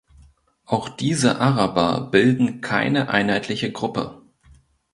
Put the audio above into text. Auch diese Araber bilden keine einheitliche Gruppe.